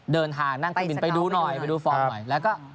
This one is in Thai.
เดินทางมาดูหน่อยไปดูฟอร์มนึง